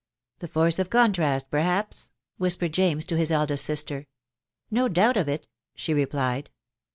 " The force of contrast, perhaps ?" whispered James to his eldest sister. " No doubt of it," she replied.